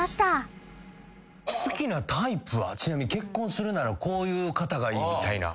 ちなみに結婚するならこういう方がいいみたいな。